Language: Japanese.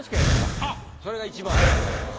それが１番でございます。